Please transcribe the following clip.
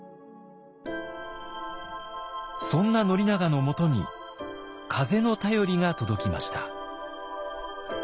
そんな宣長のもとに風の便りが届きました。